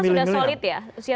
itu kan sudah solid ya